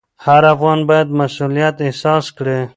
هر افغان باید مسوولیت احساس کړي.